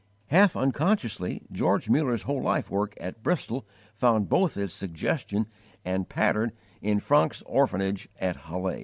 Half unconsciously George Muller's whole life work at Bristol found both its suggestion and pattern in Francke's orphanage at Halle.